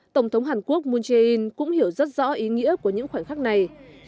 tổng thống hàn quốc moon jae in cũng hiểu rất rõ ý nghĩa của những khoảnh khắc này